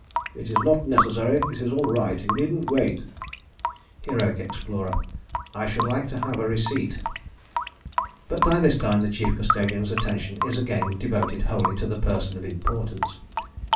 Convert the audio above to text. It is not necessary: it is all right. You needn't wait. HEROIC EXPLORER. I should like to have a receipt. But by this time the Chief Custodian's attention is again devoted wholly to the Person of Importance.